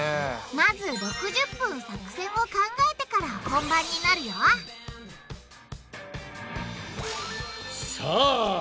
まず６０分作戦を考えてから本番になるよさあ